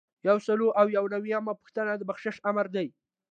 یو سل او یو نوي یمه پوښتنه د بخشش آمر دی.